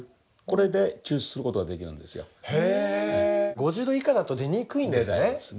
５０℃以下だと出にくいんですね。